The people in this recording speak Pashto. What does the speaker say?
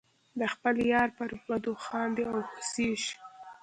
د خپل یار پر بدو خاندې او هوسیږم.